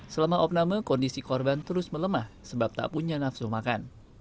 selama opname kondisi korban terus melemah sebab tak punya nafsu makan